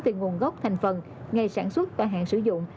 về nguồn gốc thành phần ngày sản xuất và hạn sử dụng